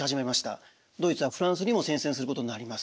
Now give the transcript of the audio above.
ドイツはフランスにも宣戦することになります。